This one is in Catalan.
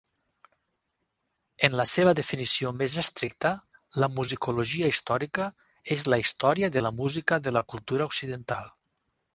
En la seva definició més estricta, la musicologia històrica és la història de la música de la cultura occidental.